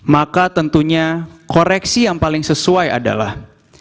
maka tentunya koreksi yang paling sesuai adalah